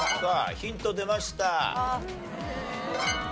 ヒント出ました。